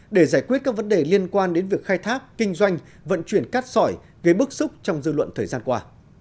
để giải quyết các vấn đề liên quan đến việc khai thác kinh doanh vận chuyển cát sỏi gây bức xúc trong dư luận thời gian qua